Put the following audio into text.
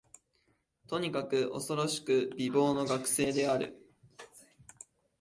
とにかく、おそろしく美貌の学生である